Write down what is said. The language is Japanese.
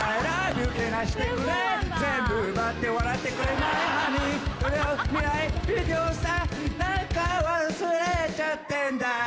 なんか忘れちゃってんだ